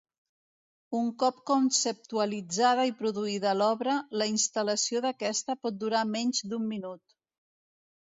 Un cop conceptualitzada i produïda l'obra, la instal·lació d'aquesta pot durar menys d'un minut.